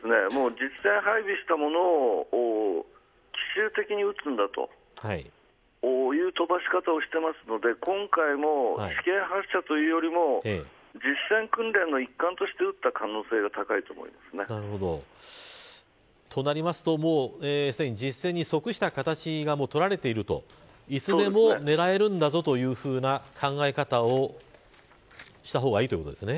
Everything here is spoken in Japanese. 北朝鮮は最近は実戦配備したものを奇襲的に打つんだという飛ばし方をしているので今回も試験発射というよりも実戦訓練の一環として撃ったとなりますとすでに実戦に即した形が取られているといつでも狙えるんだぞという考え方をした方がいいということですね。